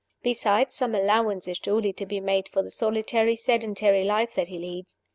Besides, some allowance is surely to be made for the solitary, sedentary life that he leads.